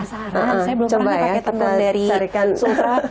penasaran saya belum pernah pakai tenun dari susah